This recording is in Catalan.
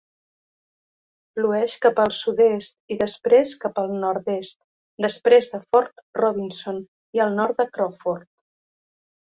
Flueix cap al sud-est i després cap al nord-est després de Fort Robinson i al nord de Crawford.